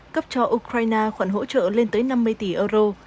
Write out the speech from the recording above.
cấp cho ukraine khoản hỗ trợ lên tới năm mươi tỷ euro